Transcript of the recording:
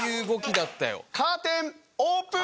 カーテンオープン！